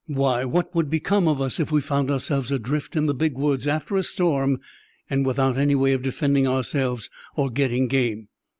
Why, what would become of us if we found ourselves adrift in the Big Woods after a storm and without any way of defending ourselves or getting game?"